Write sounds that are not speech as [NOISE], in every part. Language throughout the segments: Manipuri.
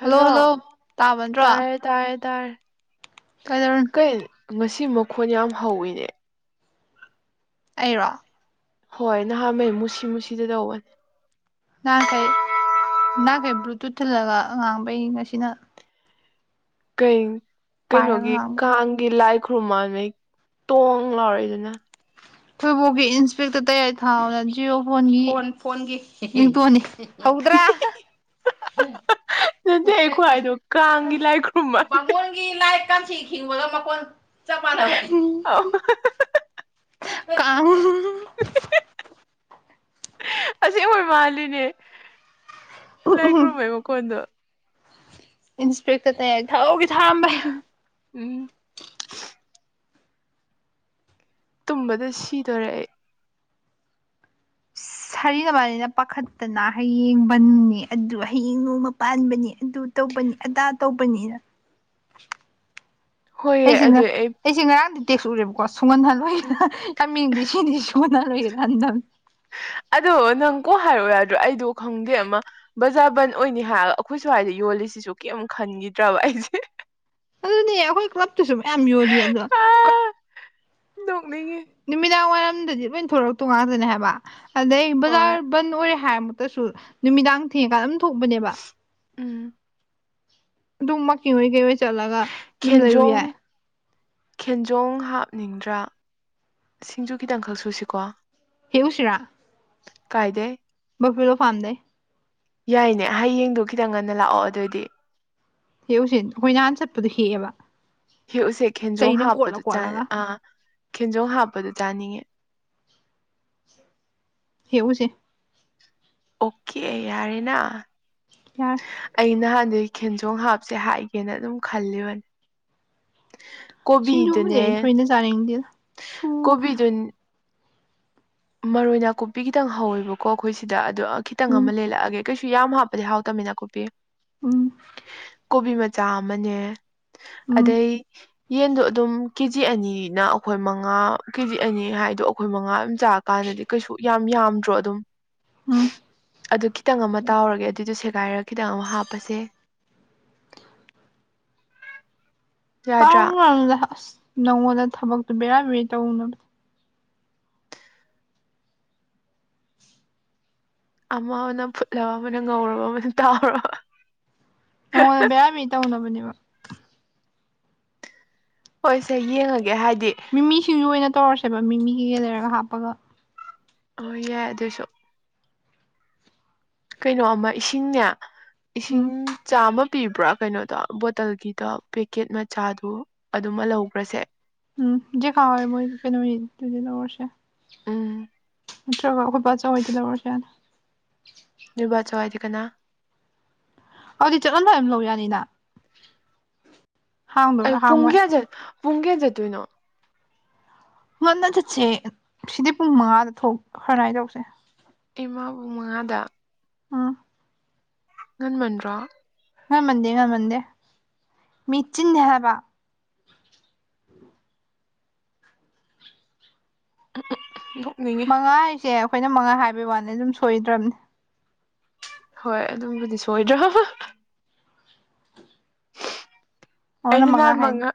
ꯍꯜꯂꯣ ꯇꯥꯏꯌꯦ ꯇꯥꯏꯌꯦ ꯇꯥꯏ ꯀꯗ ꯀꯩ ꯉꯁꯤ ꯃꯈꯣꯟ ꯌꯥꯝ ꯍꯧꯋꯤꯅꯦ ꯑꯩꯔꯣ ꯍꯣꯏ ꯅꯍꯥꯟꯉꯩ ꯃꯨꯁꯤ ꯃꯨꯁꯤꯗ ꯇꯧꯕꯅꯦ ꯅꯥꯡꯈꯩ ꯅꯅꯥꯈꯩ ꯕ꯭ꯂꯨꯇꯨꯠ ꯊꯤꯜꯂꯒ ꯉꯥꯡꯕꯩ ꯉꯁꯤꯅ ꯀꯩ ꯄꯥꯏꯔꯒ ꯀꯩꯅꯣꯒꯤ ꯉꯥꯡꯕ ꯀꯥꯡꯒꯤ ꯂꯥꯏ ꯈꯨꯔꯨꯝꯃꯉꯩ ꯇꯣꯡ ꯂꯥꯎꯔꯛꯏꯗꯅ ꯊꯣꯏꯕꯣꯛꯀꯤ ꯏꯟꯁꯄꯦꯛꯇꯔ ꯇꯌꯥꯏ ꯊꯥꯅ ꯖꯤꯌꯑꯣ ꯐꯣꯟꯒꯤ ꯐ ꯌꯦꯡꯇꯣꯟꯅꯤ ꯍꯧꯗ꯭ꯔꯥ ꯅꯠꯇꯦ ꯑꯩꯈꯣꯏ ꯍꯥꯏꯗꯣ ꯀꯥꯡꯒꯤ ꯂꯥꯏ ꯈꯨ꯭ꯔꯨꯝꯃ ꯀꯤ ꯂꯥꯏ ꯀꯥꯡꯁꯤ ꯈꯤꯡꯕꯒ ꯃꯈꯣꯟ ꯆꯞ ꯃꯥꯟꯅꯕꯅꯤ ꯀꯥꯎ ꯑꯁꯦꯡꯈꯣꯏ ꯃꯥꯜꯂꯤꯅꯦ ꯂꯥꯏ ꯈꯨꯔꯨꯝꯕꯩ ꯃꯈꯣꯟꯗꯣ ꯏꯟꯁꯄꯦꯛꯇꯔ ꯇꯌꯥꯏ ꯊꯍꯩꯒꯤ ꯊꯥꯃꯦ ꯎꯝ ꯇꯨꯝꯕꯗ ꯁꯤꯗꯣꯔꯦ ꯑꯩ ꯁꯥꯔꯤ ꯅꯣꯏꯕꯅꯤꯅ ꯄꯥꯈꯠꯇꯅ ꯍꯌꯦꯡꯕꯟꯅꯦ ꯑꯗꯨ ꯍꯌꯦꯡ ꯅꯣꯡꯃ ꯄꯥꯟꯕꯅꯤ ꯑꯗꯨ ꯇꯧꯕꯅꯤ ꯑꯗꯥ ꯇꯧꯕꯅꯤꯅ ꯍꯣꯏꯑꯦ ꯑꯩꯁꯦ ꯉ ꯑꯗꯨꯏ ꯑꯩ ꯑꯩꯁꯦ ꯉꯔꯥꯡꯗꯤ ꯇꯦꯛꯁ ꯎꯔꯦꯕꯀꯣ ꯁꯨꯡꯍꯣꯟꯍꯜꯂꯣꯏꯔ ꯎꯝ. ꯌꯥꯝ ꯃꯤꯡꯗꯤ ꯁꯤꯅꯤꯗꯤ ꯁꯨꯍꯜꯂꯣꯏꯒꯦꯅ ꯍꯟꯗꯕꯅꯤ ꯑꯗꯣ ꯅꯪ ꯀꯣ ꯍꯥꯏꯔꯛꯑꯣ ꯌꯥꯗ꯭ꯔꯣ ꯑꯩꯗꯣ ꯈꯪꯗꯦ ꯑꯃ ꯕꯖꯕꯟ ꯑꯣꯏꯅꯤ ꯍꯥꯏꯔꯒ ꯑꯩꯈꯣꯏ ꯁ꯭ꯋꯥꯏꯗ ꯌꯣꯜꯂꯤꯁꯤꯁꯨ ꯀꯩꯝ ꯈꯟꯒꯤꯗ꯭ꯔꯕ ꯑꯩꯁꯦ ꯑꯗꯨꯅꯦ ꯑꯩꯈꯣꯏ ꯀ꯭ꯂꯞꯇꯨꯁꯨ ꯃꯌꯥꯝ ꯌꯣꯜꯂꯤ ꯑꯗꯣ ꯑꯥ ꯅꯣꯛꯅꯤꯡꯉꯤ ꯅꯨꯃꯤꯗꯥꯡ ꯋꯥꯏꯔꯝꯗꯗꯤ ꯂꯣꯏ ꯊꯣꯂꯛꯇꯣ ꯉꯥꯛꯇꯅꯦ ꯍꯥꯏꯕ ꯑꯗꯩ ꯍꯣꯏ ꯕꯖꯥꯔ ꯕꯟ ꯑꯣꯏꯔꯦ ꯍꯥꯏꯔꯃꯛꯇꯁꯨ ꯅꯨꯃꯤꯗꯥꯡ ꯊꯦꯡꯉꯀꯥꯟ ꯑꯗꯨꯝ ꯊꯣꯛꯄꯅꯦꯕ ꯎꯝ ꯑꯗꯨꯃꯛ ꯀꯤꯍꯣꯏ ꯀꯤꯑꯣꯏ ꯆꯠꯂꯒ ꯑꯗꯨꯝ ꯂꯩꯔꯨ ꯈꯦꯟꯖꯣꯡ ꯌꯥꯏ ꯈꯦꯟꯖꯣꯡ ꯍꯥꯞꯅꯤꯡꯗ꯭ꯔꯥ ꯁꯤꯡꯖꯨ ꯈꯤꯇꯪꯈꯛ ꯁꯨꯁꯤꯀꯣ ꯍꯦꯛꯎꯁꯤꯔꯥ ꯀꯥꯏꯗꯦ ꯕꯐꯦꯂꯣ ꯐꯥꯝꯗꯩ ꯌꯥꯏꯅꯦ ꯍꯌꯦꯡꯗꯣ ꯈꯤꯇꯪ ꯉꯟꯅ ꯂꯥꯛꯑꯣ ꯑꯗꯨꯑꯣꯏꯗꯤ ꯍꯦꯛꯎꯁꯦ ꯑꯩꯈꯣꯏ ꯅꯍꯥꯟ ꯆꯠꯄꯗꯣ ꯍꯦꯛꯑꯦꯕ ꯍꯦꯛꯎꯁꯦ ꯈꯦꯟꯖꯣꯡ ꯆꯩꯅ ꯀꯣꯠꯂ ꯍꯥꯞꯄꯗꯣ ꯆꯥ ꯀꯣꯠꯂꯒ ꯑ ꯈꯦꯟꯖꯣꯡ ꯍꯥꯞꯄꯗ ꯆꯥꯅꯤꯡꯉꯦ ꯍꯦꯛꯎꯁꯦ ꯑꯣꯀꯦ ꯌꯥꯔꯦꯅꯥ ꯌꯥꯔ ꯑꯩ ꯅꯍꯥꯟꯗꯩ ꯈꯦꯟꯖꯣꯡ ꯍꯥꯞꯁꯦ ꯍꯥꯏꯒꯦꯅ ꯑꯗꯨꯝ ꯈꯜꯂꯤꯕꯅꯤ ꯁꯤꯡꯖꯨꯕꯨꯗꯤ ꯀꯣꯕꯤꯗꯨꯅꯦ ꯑꯩ ꯊꯣꯏꯅ ꯆꯥꯅꯤꯡꯗꯦꯗ ꯁꯨ ꯀꯣꯕꯤꯗꯨꯟ ꯃꯔꯣꯏ ꯅꯥꯀꯨꯞꯄꯤ ꯈꯤꯇꯪ ꯍꯧꯋꯦꯕꯀꯣ ꯑꯩꯈꯣꯏ ꯁꯤꯗ ꯑꯗꯣ ꯈꯤꯇꯪ ꯎꯝ ꯑꯃ ꯂꯦꯜꯂꯛꯑꯒꯦ ꯀꯩꯁꯨ ꯌꯥꯝ ꯍꯥꯞꯄꯗꯤ ꯍꯥꯎꯇꯃꯤꯅꯀꯨꯞꯄꯤ ꯎꯝ ꯀꯣꯕꯤ ꯃꯆꯥ ꯑꯃꯅꯦ ꯎꯝ ꯑꯗꯩ ꯌꯦꯟꯗꯣ ꯑꯗꯨꯝ ꯀꯦꯖꯤ ꯑꯅꯤꯅ ꯑꯩꯈꯣꯏ ꯃꯉꯥ ꯀꯦꯖꯤ ꯑꯅꯤ ꯍꯥꯏꯗꯣ ꯑꯩꯈꯣꯏ ꯃꯉꯥ ꯑꯗꯨꯝ ꯆꯥ ꯀꯥꯟꯗꯗꯤ ꯀꯩꯁꯨ ꯌꯥꯝ ꯌꯥꯝꯗ꯭ꯔꯣ ꯑꯗꯨꯝ ꯎꯝ ꯑꯗꯨ ꯈꯤꯇꯪ ꯑꯃ ꯇꯥꯎꯔꯒꯦ ꯑꯗꯨꯏꯗꯣ ꯁꯦꯒꯥꯏꯔ ꯈꯤꯇꯪ ꯑꯃ ꯍꯥꯞꯄꯁꯦ ꯌꯥꯗ꯭ꯔꯥ ꯇꯥꯎꯔꯨꯒꯅꯨꯗ ꯑꯁ ꯅꯪꯉꯣꯟꯗ ꯊꯕꯛꯇꯣ ꯕꯦꯔꯥ ꯕꯦꯔꯤ ꯇꯧꯅꯕ ꯑꯃꯅ ꯐꯨꯠꯂꯕ ꯑꯃꯅ ꯉꯧꯔꯕ ꯑꯃꯅ ꯇꯥꯎꯔꯕ ꯅꯪꯉꯣꯟꯗ ꯕꯦꯔꯥꯃꯤ ꯇꯧꯅꯕꯅꯦꯕ ꯍꯣꯏ ꯁꯦ ꯌꯦꯡꯉꯒꯦ ꯍꯥꯏꯗꯤ ꯃꯤꯃꯤꯁꯤꯡꯖꯨ ꯑꯣꯏꯅ ꯇꯧꯔꯁꯦꯕ ꯃꯤꯃꯤꯒꯤꯒ ꯂꯩꯔꯒ ꯍꯥꯞꯄꯒ ꯍꯣꯏ ꯌꯥꯏ ꯑꯗꯨꯏꯁꯨ ꯀꯩꯅꯣ ꯑꯃ ꯏꯁꯤꯡꯅꯦ ꯏꯁꯤꯡ ꯎꯝ ꯆꯥꯝꯃ ꯄꯤꯕ꯭ꯔꯥ ꯀꯩꯅꯣꯗꯣ ꯕꯣꯇꯜꯒꯤꯗꯣ ꯄꯦꯛꯀꯦꯠ ꯃꯆꯥꯗꯣ ꯑꯗꯨꯃ ꯂꯧꯈ꯭ꯔꯁꯦ ꯎꯝ ꯖꯦꯈꯥꯎ ꯃꯣꯏ ꯀꯩꯅꯣꯏꯗꯨꯗꯩ ꯂꯧꯔꯁꯦ ꯎꯝ ꯅꯠꯇ꯭ꯔꯒ ꯑꯩꯈꯣꯏ ꯕꯆꯧꯍꯣꯏꯗꯩ ꯂꯧꯔꯁꯨ ꯌꯥꯅꯤ ꯅꯣꯏꯕꯆꯧ ꯍꯥꯏꯗꯤ ꯀꯅꯥ ꯑꯗꯨꯗꯤ ꯆꯠꯂꯝ ꯗꯥꯏ ꯑꯗꯨꯝ ꯂꯧ ꯌꯥꯅꯤꯅ ꯑꯩ ꯍꯥꯡꯗꯣꯏꯔꯥ ꯄꯨꯡ ꯍꯥꯡꯉꯣꯏ ꯀꯌꯥꯠ ꯄꯨꯡ ꯀꯌꯥ ꯆꯠꯇꯣꯏꯅꯣ ꯉꯟꯅ ꯆꯠꯁꯦ ꯁꯤꯗꯤ ꯄꯨꯡ ꯃꯉꯥꯗ ꯊꯣꯛ [UNINTELLIGIBLE] ꯇꯧꯁꯦ ꯏꯃꯥ ꯄꯨꯡ ꯃꯉꯥꯗ ꯎꯝ ꯉꯟꯃꯟꯗ꯭ꯔꯣ ꯉꯟꯃꯟꯗꯦ ꯉꯟꯃꯟꯗꯦ ꯃꯤ ꯆꯤꯟꯅꯦ ꯍꯥꯏꯕ [INAUDIBLE] ꯃꯉꯥ ꯍꯥꯏꯁꯦ ꯈꯣꯏꯅ ꯃꯉꯥ ꯍꯥꯏꯕꯩ ꯋꯥꯅꯤ ꯑꯗꯨꯝ ꯁꯣꯏꯗ꯭ꯔꯕꯅꯦ ꯍꯣꯏ ꯑꯗꯨꯕꯨꯗꯤ ꯁꯣꯏꯗ꯭ꯔ ꯃꯣꯏꯅ ꯑꯩꯅ ꯅꯍꯥꯟ ꯍꯥꯏ ꯃꯉꯥ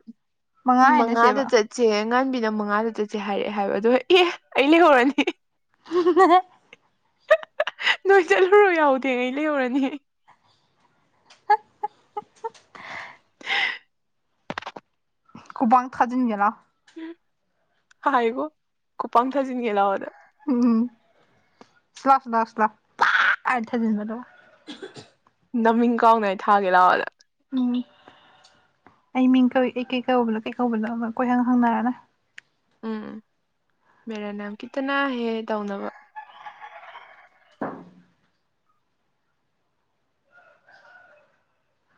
ꯃꯉꯥ ꯃꯉꯥꯗ ꯍꯥꯏꯅꯁꯦꯕ ꯆꯠ ꯆꯦ ꯑꯉꯥꯟꯕꯤꯅ ꯃꯉꯥꯗ ꯆꯇꯆꯦ ꯍꯥꯏꯔꯛꯑꯦ ꯍꯥꯏꯕ ꯑꯗꯨꯏ ꯑꯦ ꯑꯩ ꯂꯩꯍꯧꯔꯅꯤ [INAUDIBLE] ꯅꯣꯏ ꯆꯠꯂꯨꯔꯣ ꯌꯥꯎꯗꯦ ꯑꯩ ꯂꯩꯍꯧꯔꯅꯤ ꯈꯨꯕꯥꯡ ꯊꯥꯖꯤꯟꯒꯦ ꯂꯥꯎ ꯍꯥꯏꯒꯣ ꯈꯨꯄꯥꯡ ꯊꯥꯖꯤꯟꯒꯦ ꯂꯥꯎꯅ ꯎꯝ ꯁꯤ ꯂꯥꯎ ꯁꯤ ꯂꯥꯎ ꯁꯤ ꯂꯥꯎ ꯄꯥꯛ ꯑꯅ ꯊꯖꯤꯟꯕ ꯑꯗꯨꯒ ꯅꯃꯤꯡ ꯀꯥꯎꯅꯥꯏ ꯊꯥꯒꯦ ꯂꯥꯛꯑꯣꯅ ꯎꯝ ꯑꯩ ꯃꯤꯡ ꯀꯧꯏ ꯑꯩ ꯀꯧꯕꯅꯣ ꯀꯩ ꯀꯧꯕꯅꯣ ꯑꯃ ꯀꯣꯏꯍꯪ ꯍꯪꯅꯔꯅ ꯎꯝ ꯃꯦꯔꯥ ꯅꯥꯝ ꯈꯤꯇꯅꯥꯍꯦ ꯇꯧꯅꯕ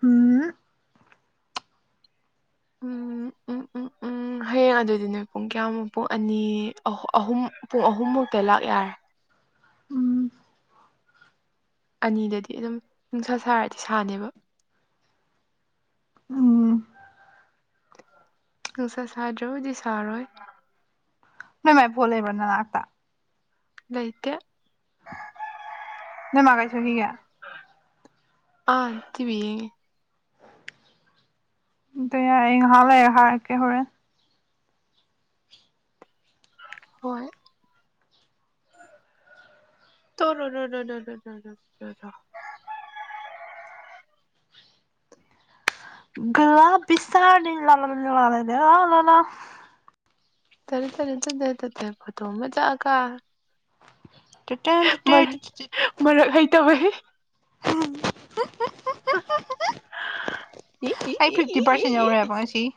ꯎꯝ ꯎꯝ ꯎꯝ ꯎꯝ ꯎꯝ [INAUDIBLE] ꯍꯌꯦꯡ ꯑꯗꯨꯗꯤ ꯅꯣꯏ ꯄꯨꯡ ꯀꯌꯥꯃꯨꯛ ꯄꯨꯡ ꯑꯅꯤ ꯑꯍꯨꯝ ꯄꯨꯡ ꯑꯍꯨꯝꯃꯨꯛꯇ ꯂꯥꯛ ꯌꯥꯔꯦ ꯎꯝ ꯑꯅꯤꯗꯗꯤ ꯑꯗꯨꯝ ꯅꯨꯡꯁꯥ ꯁꯥꯔꯗꯤ ꯁꯥꯅꯦꯕ ꯎꯝ ꯅꯨꯡꯁꯥ ꯁꯥꯗ꯭ꯔꯕꯨꯗꯤ ꯁꯥꯔꯣꯏ ꯅꯣꯏ ꯃꯥꯏ ꯐꯣꯟ ꯂꯩꯕ꯭ꯔꯣ ꯅꯅꯥꯥꯛꯇ ꯂꯩꯇꯦ ꯅꯣꯏꯃꯥ ꯀꯥꯏ ꯆꯠꯈꯤꯒꯦ ꯑꯥ ꯇꯤꯕꯤ ꯌꯦꯡꯉꯦ ꯇꯩ ꯌꯥꯔꯦ ꯉꯥꯍꯛ ꯂꯩꯔ ꯍꯥꯏꯔꯛꯀꯦ ꯍꯣꯔꯦꯟ ꯍꯣꯏ [UNINTELLIGIBLE] [UNINTELLIGIBLE] [UNINTELLIGIBLE] ꯃꯔꯛ [UNINTELLIGIBLE] ꯃꯔꯛ ꯍꯩꯇꯕꯩ [INAUDIBLE] ꯏ ꯏ ꯑꯩ ꯏ ꯏ ꯐꯤꯐꯇꯤ ꯏ ꯄꯥꯔꯁꯦꯟ ꯏ ꯌꯧꯔꯦꯕ ꯉꯁꯤꯒꯤ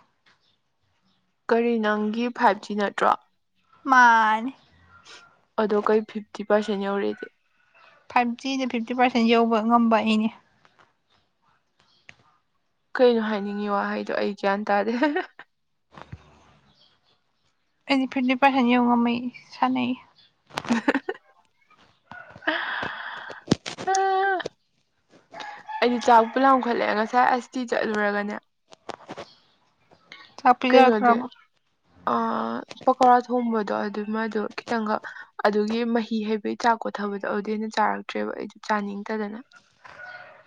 ꯀꯔꯤ ꯅꯪꯒꯤ ꯐꯥꯏꯚꯖꯤ ꯅꯠꯇ꯭ꯔꯣ ꯃꯥꯥꯟꯅꯤ ꯑꯗꯣ ꯀꯩ ꯐꯤꯐꯇꯤ ꯄꯥꯔꯁꯦꯟ ꯌꯧꯔꯦꯗꯤ ꯐꯥꯏꯚꯖꯤꯅ ꯐꯤꯞꯇꯤ ꯄꯥꯔꯁꯦꯟ ꯌꯧꯕ ꯉꯝꯕ ꯑꯩꯅꯤ ꯀꯩꯅꯣ ꯍꯥꯏꯅꯤꯡꯉꯤ ꯋꯥꯍꯩꯗꯣ ꯑꯩ ꯒ꯭ꯌꯥꯟ ꯇꯥꯗꯦ ꯑꯩꯒꯤ ꯐꯤꯚꯇꯤ ꯄꯥꯔꯁꯦꯟ ꯌꯧꯉꯝꯃꯩ ꯁꯥꯟꯅꯩ [INAUDIBLE] ꯑꯩꯗꯤ ꯆꯥꯛ ꯄꯨ ꯂꯥꯝꯈꯠꯂꯛꯑꯦ ꯉꯁꯥꯏ ꯑꯁꯇꯤ ꯆꯠꯂꯨꯔꯒꯅꯦ ꯆꯥꯛ ꯀꯩꯅꯣꯗꯤ ꯄꯤꯖꯔꯛꯇ꯭ꯔꯕꯣ [INAUDIBLE] ꯄꯀꯧꯔꯥ ꯊꯣꯡꯕꯗꯣ ꯑꯗꯨ ꯃꯥꯗꯣ ꯈꯤꯇꯪꯈꯛ ꯑꯗꯨꯒꯤ ꯃꯍꯤ ꯍꯩꯕꯩ ꯆꯥꯛꯀꯣꯊꯕꯗꯣ ꯑꯗꯨꯗꯩꯩ ꯍꯦꯟꯅ ꯆꯥꯔꯛꯇ꯭ꯔꯦꯕ ꯑꯩꯗꯣ ꯆꯥꯅꯤꯡꯗꯗꯅ [INAUDIBLE]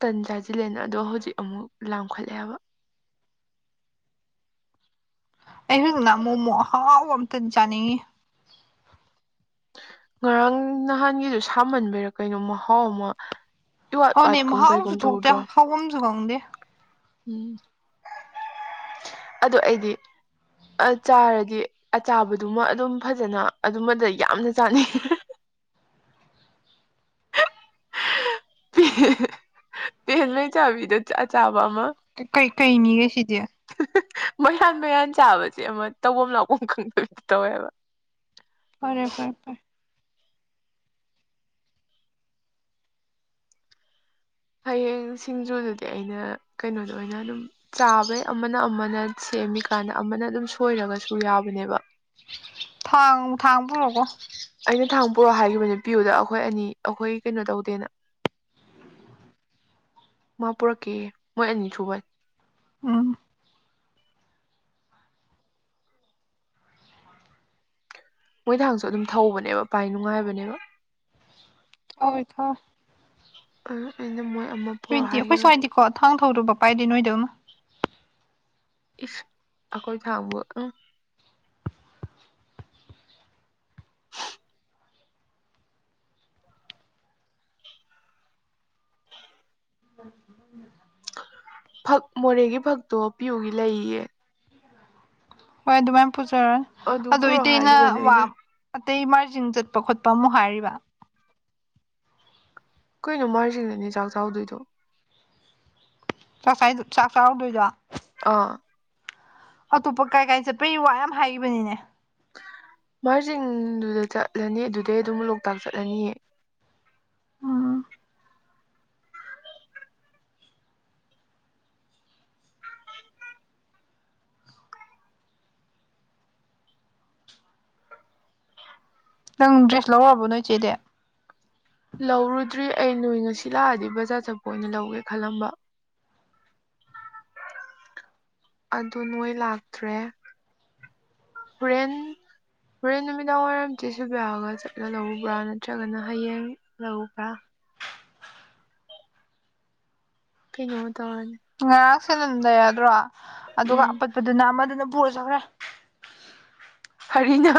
ꯇꯟ ꯆꯥꯁꯤꯜꯂꯦꯅ ꯑꯗꯣ ꯍꯧꯖꯤꯛ ꯑꯃꯨꯛ ꯂꯥꯝꯈꯠꯂꯦꯕ ꯑꯩ [UNINTELLIGIBLE] ꯃꯣꯃꯣ ꯑꯍꯥꯎꯕ ꯑꯝꯇꯗꯤ ꯆꯥꯅꯤꯡꯉꯤ ꯉꯔꯥꯡ ꯅꯍꯥꯟꯒꯤꯗꯨ ꯁꯥꯃꯟꯕꯩꯔꯥ ꯀꯩꯅꯣ ꯃꯍꯥꯎ ꯑꯃ ꯏ ꯋꯥꯠ ꯋꯥꯠꯀꯨꯝ ꯀꯩꯒꯨꯝ ꯇꯧꯗ꯭ꯔꯣ ꯍꯥꯎꯕꯝꯖꯨ ꯈꯪꯗꯦ ꯎꯝ ꯑꯗꯣ ꯑꯩꯗꯤ ꯑ ꯆꯥꯔꯗꯤ ꯑꯆꯥꯕꯗꯨꯃ ꯑꯗꯨꯝ ꯐꯖꯅ ꯑꯗꯨꯃꯗ ꯌꯥꯝꯅ ꯆꯥꯅꯤꯡ [UNINTELLIGIBLE] ꯄꯦꯂꯦ ꯆꯥꯕꯤꯗ ꯑꯆꯥ ꯑꯆꯥꯕꯃ ꯀ ꯀꯩ ꯀꯩꯅꯤꯌꯦ ꯁꯤꯗꯤ ꯃꯩꯌꯥꯟ ꯃꯩꯌꯥꯟ ꯆꯥꯕꯖꯦ ꯑꯃ ꯇꯧꯕꯝ ꯂꯥꯛꯄꯝ ꯈꯪꯗꯕꯤꯗꯣ ꯇꯧꯋꯦꯕ ꯐꯔꯦ ꯐꯔꯦ ꯐꯔꯦ ꯍꯌꯦꯡ ꯁꯤꯡꯖꯨꯗꯨꯗꯤ ꯑꯩꯅ ꯀꯩꯅꯣꯗ ꯑꯣꯏꯅ ꯑꯗꯨꯝ ꯆꯥꯕꯩ ꯑꯃꯅ ꯑꯃꯅ ꯁꯦꯝꯃꯤꯀꯥꯟꯗ ꯑꯃꯅ ꯑꯗꯨꯝ ꯁꯣꯏꯔꯒꯁꯨ ꯌꯥꯕꯅꯦꯕ ꯊꯥꯡ ꯊꯥꯡ ꯄꯨꯔꯣꯀꯣ ꯑꯩꯅ ꯊꯥꯡ ꯄꯨꯔꯛꯑꯣ ꯍꯥꯏꯈꯤꯕꯅꯦ ꯄꯤꯌꯨꯗ ꯑꯩꯈꯣꯏ ꯑꯅꯤ ꯑꯩꯈꯣꯏ ꯀꯩꯅꯣ ꯇꯧꯗꯦꯅ ꯃꯥ ꯄꯨꯔꯛꯀꯦ ꯃꯣꯏ ꯑꯅꯤꯁꯨꯕꯩ ꯎꯝ ꯃꯣꯏ ꯊꯥꯡꯁꯨ ꯑꯗꯨꯝ ꯊꯧꯕꯅꯦꯕ ꯄꯥꯏ ꯅꯨꯡꯉꯥꯏꯕꯅꯦꯕ ꯑꯣꯏ ꯊꯣ ꯑ ꯑꯩꯅ ꯃꯣꯏ ꯑꯃ ꯄꯨꯔꯛꯑꯣ ꯍꯨꯏꯗꯤ ꯑꯩꯈꯣꯏ ꯍꯥꯏꯈꯤꯕꯅꯤ ꯁ꯭ꯋꯥꯏꯗꯤꯀꯣ ꯊꯥꯡ ꯊꯧꯗꯕ ꯄꯥꯏꯗꯦ ꯅꯣꯏꯗꯧꯅ ꯏꯁ ꯑꯈꯣꯏ ꯊꯥꯡꯕꯨ ꯎꯝ [UNINTELLIGIBLE] ꯐꯛ ꯃꯣꯔꯦꯒꯤ ꯐꯛꯇꯣ ꯄꯤꯌꯨꯒꯤ ꯂꯩꯌꯦ ꯍꯣꯏ ꯑꯗꯨꯃꯥꯏ ꯄꯨꯖꯔꯅꯤ ꯑꯗꯨ ꯑꯗꯣ ꯄꯨꯔꯛꯑꯣ ꯏꯇꯩꯅ ꯍꯥꯏꯈꯤꯕꯅꯦ ꯋꯥ ꯑꯩꯅ ꯑꯇꯩ ꯃꯥꯔꯖꯤꯡ ꯆꯠꯄ ꯈꯣꯠꯄ ꯑꯃꯨꯛ ꯍꯥꯏꯔꯤꯕ ꯀꯩꯅꯣ ꯃꯥꯔꯖꯤꯡꯗꯅꯦ ꯆꯥꯛ ꯆꯥꯎꯗꯣꯏꯗꯨ ꯆꯥꯛ ꯆꯥꯏ ꯆꯥꯛ ꯆꯥꯎꯗꯣꯏꯗꯣ ꯑ ꯑꯇꯣꯞꯄ ꯀꯥꯏ ꯀꯥꯏ ꯆꯠꯄꯩ ꯋꯥ ꯌꯥꯝ ꯍꯥꯏꯒꯤꯕꯅꯤꯅꯦ꯫ ꯃꯥꯔꯖꯤꯡꯗꯨꯗ ꯆꯠꯂꯅꯤ ꯑꯗꯨꯗꯩ ꯑꯗꯨꯝ ꯂꯣꯛꯇꯥꯛ ꯆꯠꯂꯅꯤ ꯎꯝ ꯅꯪ ꯗ꯭ꯔꯦꯁ ꯂꯧꯔꯣꯕꯣ ꯅꯣꯏ ꯆꯦꯗꯤ ꯂꯧꯔꯨꯗ꯭ꯔꯤ ꯑꯩ ꯅꯣꯏ ꯉꯁꯤ ꯂꯥꯛꯑꯗꯤ ꯕꯖꯥꯔ ꯆꯠꯄ ꯑꯣꯏꯅ ꯂꯧꯒꯦ ꯈꯜꯂꯝꯕ꯫ ꯑꯗꯨ ꯅꯣꯏ ꯂꯥꯛꯇ꯭ꯔꯦ ꯍꯨꯔꯦꯟ ꯍꯨꯔꯦꯟ ꯅꯨꯃꯤꯗꯥꯡ ꯋꯥꯏꯔꯝ ꯆꯦ ꯁꯤꯜꯕꯤꯌꯥꯒ ꯆꯠꯂ ꯂꯧꯔꯨꯕ꯭ꯔꯥ ꯅꯠꯇ꯭ꯔꯒꯅ ꯍꯌꯦꯡ ꯂꯧꯕ꯭ꯔꯥ ꯀꯩꯅꯣ ꯇꯧꯔꯅꯤ ꯉꯔꯥꯡ ꯁꯦꯟꯗꯟ ꯂꯩꯔꯗ꯭ꯔꯣ ꯑꯗꯨꯒ ꯎꯝ ꯑꯄꯠꯄꯗꯨꯅ ꯑꯃꯗꯨꯅ ꯄꯨꯔꯥ ꯆꯠꯈ꯭ꯔꯦ ꯍꯔꯤꯅ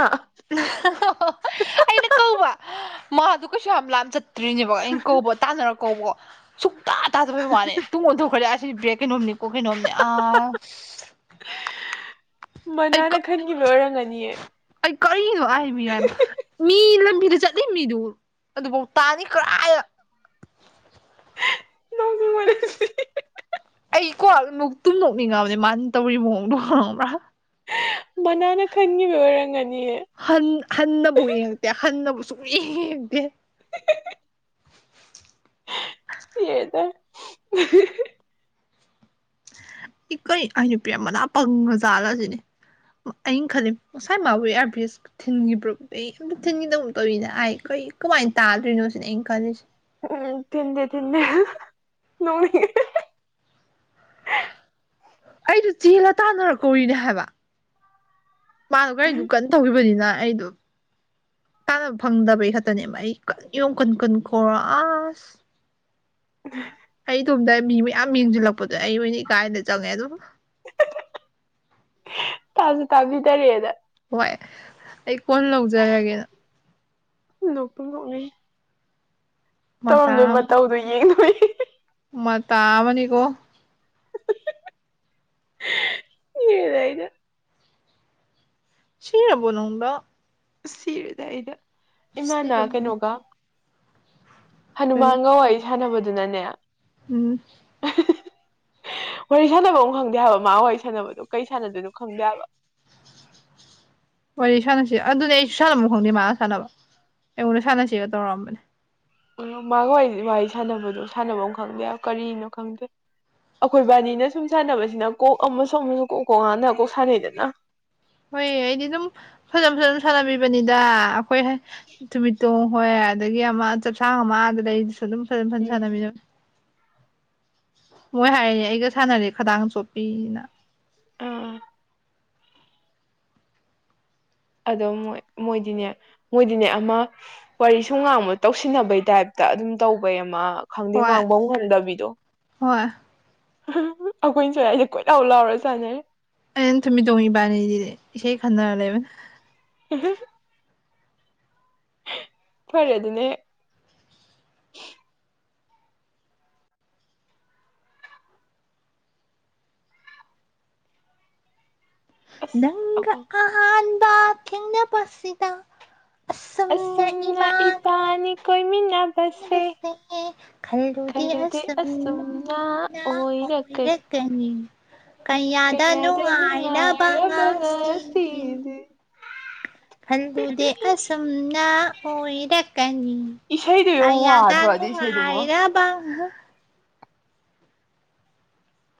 [UNINTELLIGIBLE] ꯑꯩꯅ ꯀꯧꯕ ꯃꯥꯗꯨ ꯀꯩꯁꯨ ꯌꯥꯝ ꯂꯥꯝ ꯆꯠ ꯇ꯭ꯔꯤꯅꯦꯕ ꯑꯩꯅ ꯀꯧꯕ ꯇꯥꯟꯅꯔ ꯀꯧꯕ ꯁꯨꯛꯇꯥ ꯇꯥꯗꯕꯩ ꯋꯥꯅꯤ ꯇꯨꯡ ꯑꯣꯟꯊꯣꯛꯈ꯭ꯔꯗꯤ ꯑꯁꯤ ꯕ꯭ꯔꯦꯛ ꯀꯩꯅꯣꯝꯅꯤꯀꯣ ꯀꯩꯅꯣꯝꯅꯤ ꯑꯁ ꯑꯩ ꯀ ꯃꯅꯥꯅ ꯈꯟꯒꯤꯕꯩ ꯑꯣꯏꯔꯝꯒꯅꯤꯌꯦ ꯑꯩ ꯀꯔꯤꯅꯣ ꯍꯥꯏ ꯃꯤ ꯍꯥꯏꯕ ꯃꯤ ꯂꯝꯕꯤꯗ ꯆꯠꯂꯤ ꯃꯤꯗꯨ ꯑꯗꯨꯕꯧ ꯇꯥꯅꯤ ꯀꯔꯥꯏ [UNINTELLIGIBLE] [UNINTELLIGIBLE] ꯑꯩꯀꯣ ꯅꯣꯛꯇꯨꯝ ꯅꯣꯛꯅꯤꯡꯉꯕꯅꯦ ꯃꯥꯅ ꯇꯧꯔꯤ ꯃꯑꯣꯡꯗꯣ ꯈꯪꯉꯕ꯭ꯔꯥ ꯃꯅꯥꯅ ꯈꯟꯒꯤꯕꯩ ꯑꯣꯏꯔꯝꯒꯅꯤꯌꯦ ꯍꯟ ꯍꯟꯅꯕꯨ ꯌꯦꯡꯉꯛꯇꯦ ꯍꯟꯅꯕꯨ ꯁꯨꯛꯌꯦꯡ [UNINTELLIGIBLE] ꯌꯦꯡꯗꯦ [UNINTELLIGIBLE] [UNINTELLIGIBLE] ꯏ ꯀꯩ ꯑꯩ ꯅꯨꯄꯤ ꯃꯅꯥ ꯄꯪꯉ ꯖꯥꯠꯂꯥꯁꯤꯅꯤ ꯑꯌꯤꯡ ꯈꯜꯂꯤꯝ ꯉꯁꯥꯏ ꯃꯥꯕꯨ ꯏꯌꯔ ꯕ꯭ꯔꯤꯖ ꯊꯤꯟꯒꯤ ꯄ꯭ꯔꯨꯞ ꯑꯩ ꯊꯤꯟꯒꯤꯗꯧꯛ ꯇꯧꯋꯤꯅ ꯑꯥꯏ ꯀꯩ ꯀꯃꯥꯏꯅ ꯇꯥꯗ꯭ꯔꯤꯅꯣ ꯁꯤꯅ ꯑꯩꯅ ꯈꯜꯂꯤꯁꯦ ꯎꯝ ꯊꯤꯟꯗꯦ ꯊꯤꯟꯗꯦ [UNINTELLIGIBLE] ꯅꯣꯛꯅꯤꯡꯉꯦ [UNINTELLIGIBLE] ꯑꯩꯗꯨ ꯆꯦꯜꯂ ꯇꯥꯟꯅꯔꯛ ꯀꯧꯔꯤꯅꯦ ꯍꯥꯏꯕ ꯃꯥꯗꯣ ꯒꯥꯔꯤꯗꯨ ꯀꯟꯅ ꯇꯧꯈꯤꯕꯅꯤꯅ ꯑꯩꯗꯣ ꯀꯥꯟꯅꯕ ꯐꯪꯗꯕꯩ ꯈꯛꯇꯅꯦꯕ ꯑꯩ ꯌꯨꯝ ꯀꯨꯟ ꯀꯨꯟ ꯈꯣꯔꯥ ꯑꯁ [UNINTELLIGIBLE] ꯇꯨꯝꯗ ꯃꯤ ꯃꯌꯥꯝ ꯌꯦꯡꯁꯤꯜꯂꯛꯄꯗꯣ ꯑꯩ ꯑꯣꯏꯅ ꯏꯀꯥꯏꯅ ꯆꯪꯉꯦ ꯑꯗꯨ [UNINTELLIGIBLE] ꯇꯥꯖꯨ ꯇꯥꯕꯤꯗꯔꯦꯗ ꯍꯣꯏ ꯑꯩ ꯀꯣꯟ ꯂꯧꯖꯔꯒꯦꯅ ꯅꯣꯛꯇꯨꯝ ꯅꫭꯛꯅꯤꯡꯉꯤ ꯃꯇꯥ ꯇꯧꯔꯝꯗꯣꯏ ꯑꯃ ꯃꯇꯧꯗꯣ ꯌꯦꯡꯗꯣꯏ ꯃꯇꯥ ꯑꯃꯅꯤꯀꯣ [UNINTELLIGIBLE] ꯁꯔꯕꯣꯅꯪꯗ ꯁꯤꯔꯦꯗ ꯑꯩꯗ ꯏꯃꯥꯅꯥ ꯁꯤꯔꯕꯣ ꯀꯩꯅꯣꯒ ꯀꯔꯤ ꯍꯅꯨꯃꯥꯟꯒ ꯋꯥꯏ ꯁꯥꯟꯅꯕꯗꯨꯅꯅꯦ ꯎꯝ [UNINTELLIGIBLE] ꯋꯥꯔꯤ ꯁꯥꯟꯅꯕ ꯑꯃ ꯈꯪꯗꯦ ꯍꯥꯏꯕ ꯃꯥ ꯋꯥꯔꯤ ꯁꯥꯟꯅꯕꯅꯣ ꯀꯩ ꯁꯥꯟꯅꯗꯣꯏꯅꯣ ꯈꯪꯗꯦ ꯍꯥꯏꯕ꯫ ꯋꯥꯔꯤ ꯁꯥꯟꯅꯁꯦ ꯑꯗꯨꯅꯦ ꯑꯩꯁꯨ ꯁꯥꯟꯅꯕꯝ ꯈꯪꯗꯦ ꯃꯥꯒ ꯁꯥꯟꯅꯕ ꯑꯩꯉꯣꯟꯗ ꯁꯥꯟꯅꯁꯤꯒ ꯇꯧꯔꯛꯑꯝꯕꯅꯦ꯫ ꯑ ꯃꯥꯒ ꯋꯥꯔꯤ ꯋꯥꯔꯤ ꯁꯥꯟꯅꯕꯗꯣ ꯁꯥꯟꯅꯕꯝ ꯈꯪꯗꯦꯕ ꯀꯔꯤꯅꯣ ꯈꯪꯗꯦ꯫ ꯑꯈꯣꯏ ꯕꯥꯅꯤꯅ ꯁꯨꯝ ꯁꯥꯟꯅꯕꯁꯤꯅ ꯀꯣꯛ ꯑꯃꯁꯨ ꯑꯃꯁꯨ ꯀꯣꯛ ꯀꯣꯛ ꯉꯥꯟꯅ ꯀꯣꯛ ꯁꯥꯟꯅꯩꯗꯅ ꯍꯣꯏ ꯑꯩꯗꯤ ꯑꯗꯨꯝ ꯐꯖꯅ ꯐꯖꯅ ꯑꯗꯨꯝ ꯁꯥꯟꯅꯕꯤꯕꯅꯤꯗ ꯑꯩꯈꯣꯏ ꯊꯨꯃꯤꯠꯇꯣꯡ ꯍꯣꯏ ꯑꯗꯒꯤ ꯑꯃ ꯆꯞꯁꯥꯡ ꯑꯃ ꯑ ꯑꯗꯨꯗ ꯑꯩꯗꯨꯁꯨ ꯑꯗꯨꯝ ꯐꯖꯅ ꯐꯖꯅ ꯎꯝ ꯁꯥꯟꯅꯃꯤꯅ ꯃꯣꯏ ꯍꯥꯏꯔꯤꯅꯦ ꯑꯩꯒ ꯁꯥꯟꯅꯔꯗꯤ ꯈꯗꯥꯡ ꯆꯣꯛꯊꯩꯅ ꯑꯥ ꯑꯗꯣꯏ ꯃꯣꯏꯗꯤꯅꯦ ꯃꯣꯏꯗꯤꯅꯦ ꯑꯃ ꯋꯥꯔꯤ ꯁꯨꯝ ꯉꯥꯡꯕ ꯇꯧꯁꯤꯟꯅꯕꯩ ꯇꯥꯏꯞꯇ ꯑꯗꯨꯝ ꯇꯧꯕꯩ ꯑꯃ ꯈꯪꯗꯦ ꯍꯣꯏ ꯉꯥꯡꯕ ꯉꯝꯗꯕꯤꯗꯣ ꯍꯣꯏ [UNINTELLIGIBLE] ꯑꯩꯈꯣꯏꯅ ꯁꯥꯏꯁꯦ ꯀꯣꯏꯂꯥꯎ ꯂꯥꯎꯔꯒ ꯁꯥꯟꯅꯩ ꯑꯩꯅ ꯊꯨꯝꯃꯤ ꯇꯣꯡ ꯏꯕꯥꯅꯤꯖꯤ ꯏꯁꯩ ꯈꯟꯅꯔ ꯂꯩ [UNINTELLIGIBLE] ꯐꯔꯦ ꯑꯗꯨꯅ ꯍ‌ꯦꯛ ꯑꯁ ꯅꯪꯒ ꯑꯍꯨꯝ ꯑꯍꯥꯟꯕ ꯊ‌ꯦꯡꯅꯕꯁꯤꯗ ꯑꯁꯨꯝꯅ ꯏꯕꯥꯅꯤ ꯀꯣꯏꯃꯤꯟꯅ ꯅꯕꯁꯦ ꯈꯜꯂꯨꯗ‌ꯦ ꯑꯁꯨꯝꯅ ꯑꯣꯏꯔꯛꯀꯅꯤ ꯑꯣꯏꯔꯛ ꯀꯅꯤ ꯀꯌꯥꯗ ꯅꯨꯡꯉꯥꯏꯔꯕ ꯉꯥꯁꯤꯗꯤ ꯈꯜꯂꯨꯗ‌ꯦ ꯑꯁꯨꯝꯅꯥ ꯑꯣꯏꯔꯀꯅꯤ ꯏꯁꯩꯗꯨ ꯌꯦꯡꯉꯨ ꯀꯌꯥꯗ ꯋꯥꯗ꯭ꯔꯣ ꯑꯗꯨ ꯏꯁꯩꯗꯨꯕꯨ ꯅꯨꯉꯥꯏꯔꯕ